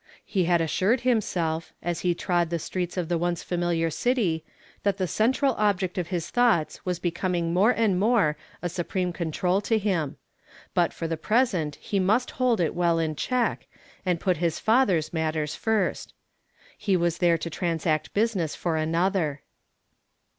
lie had as?^ ^d himself, as he trod the streets of the once familiar city, that the central object of his thoughts was becoming more and more a supreme control to him ; but for the present he must hold it well in check, and put his father's matters first. lie was there to transact business for another.